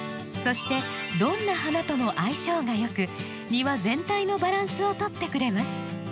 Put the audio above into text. そしてどんな花とも相性が良く庭全体のバランスをとってくれます。